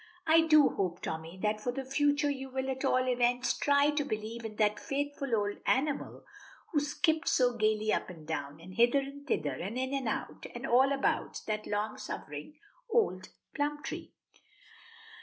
I do hope, Tommy, that for the future you will, at all events, try to believe in that faithful old animal who skipped so gaily up and down, and hither and thither, and in and out, and all about, that long suffering old plum tree."